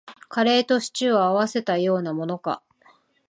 カレーとシチューを合わせたようなものか